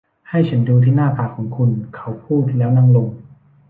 ให้ฉันดูที่หน้าผากของคุณเขาพูดแล้วนั่งลง